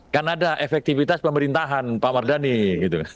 kan ada efektivitas pemerintahan pak mardhani gitu kan